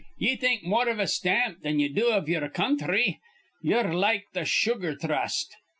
Ye think more iv a stamp thin ye do iv ye'er counthry. Ye're like th' Sugar Thrust.